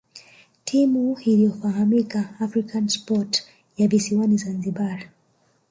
Timu iliyofahamika African Sport ya visiwani Zanzibar